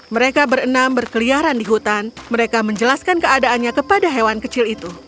mereka berenam berkeliaran di hutan mereka menjelaskan keadaannya kepada hewan kecil itu